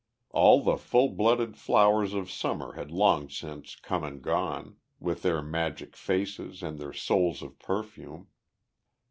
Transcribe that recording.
All the full blooded flowers of Summer had long since come and gone, with their magic faces and their souls of perfume.